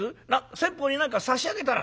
先方に何か差し上げたら？